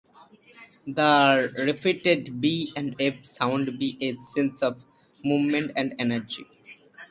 The repeated "b" and "f" sounds add a sense of movement and energy.